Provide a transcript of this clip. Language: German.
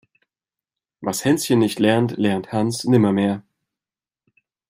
Was Hänschen nicht lernt, lernt Hans nimmermehr.